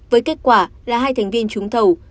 với kết quả là hai thành viên trúng thầu